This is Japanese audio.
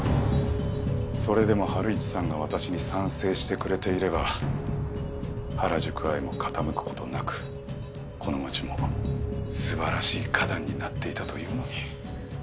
それでもハルイチさんが私に賛成してくれていれば『原宿アイ』も傾くことなくこの街もすばらしい花壇になっていたというのに。